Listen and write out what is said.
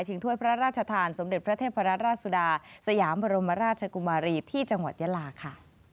ถ้วยพระราชทานสมเด็จพระเทพรัตราชสุดาสยามบรมราชกุมารีที่จังหวัดยาลาค่ะ